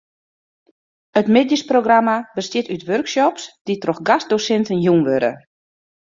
It middeisprogramma bestiet út workshops dy't troch gastdosinten jûn wurde.